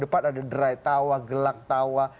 depan ada derai tawa gelak tawa